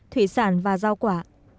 thủy sản và rau quả